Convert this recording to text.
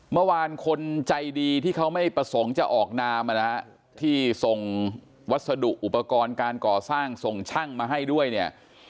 เมื่อวานคนใจดีที่เขาไม่ประสงค์จะออกนามนะฮะที่ส่งวัสดุอุปกรณ์การก่อสร้างส่งช่างมาให้ด้วยเนี่ย